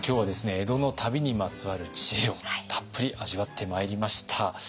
江戸の旅にまつわる知恵をたっぷり味わってまいりました。